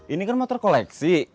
ini kan motor koleksi